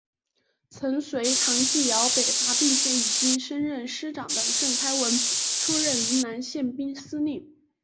曾随唐继尧北伐并且已经升任师长的郑开文出任云南宪兵司令。